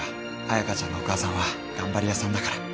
彩香ちゃんのお母さんは頑張り屋さんだから。